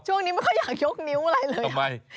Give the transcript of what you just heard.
ช่วงนี้ไม่ค่อยอยากยกนิ้วอะไรเลย